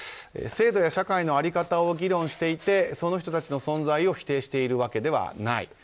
制度や社会の在り方を議論していて、その人たちの存在を否定しているわけではない。